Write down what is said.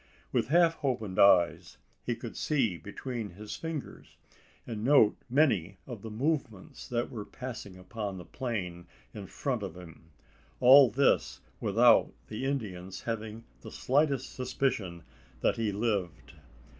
With half opened eyes, he could see between his fingers, and note many of the movements that were passing upon the plain in front of him all this without the Indians having the slightest suspicion that he lived!